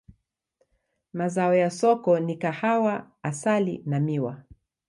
Mazao ya soko ni kahawa, asali na miwa.